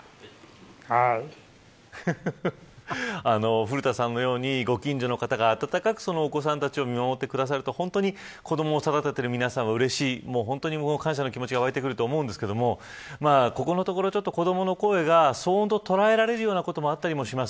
古田さんのようにご近所の方が温かくお子さんたちを見守ってくださると子どもを育てている皆さんはうれしい感謝の気持ちがわいてくると思うんですけどここのところ、子どもの声が騒音と捉えられることもあったりします。